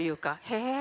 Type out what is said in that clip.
へえ！